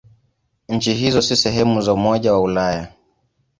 Nchi hizo si sehemu za Umoja wa Ulaya.